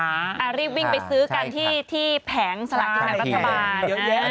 อ้าวรีบวิ่งไปซื้อกันที่แผงสลัดกินแหม้งรัฐบาล